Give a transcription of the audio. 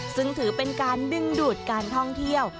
ซึ่งถือเป็นการดึงดูดการท่องเที่ยว